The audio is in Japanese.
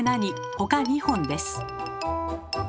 ほか２本です。